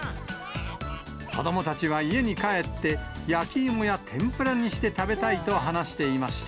子どもたちは家に帰って、焼き芋や天ぷらにして食べたいと話していました。